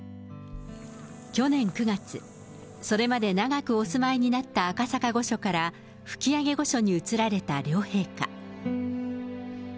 去年９月、それまで長くお住まいになった赤坂御所から吹上御所に移られた両陛下。